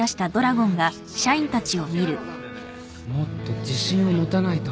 もっと自信を持たないと